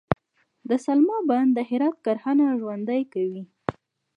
د سلما بند د هرات کرنه ژوندي کوي